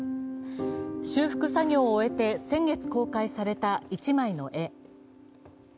修復作業を終えて、先月公開された１枚の絵。